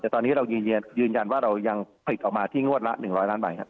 ตอนนี้เกิดเรื่องยืนยันว่าเรายังผลิตออกมาที่งวดละ๑๐๐ล้านอบ